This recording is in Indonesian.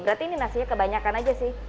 berarti ini nasinya kebanyakan aja sih